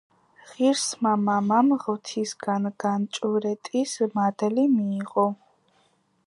ღირსმა მამამ ღვთისგან განჭვრეტის მადლი მიიღო.